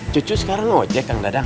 cucu sekarang ojek kang dadang